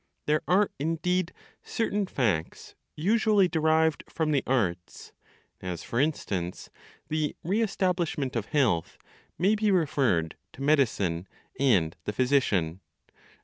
There are, indeed, certain facts usually derived from the arts; as for instance the re establishment of health may be referred to medicine and the physician.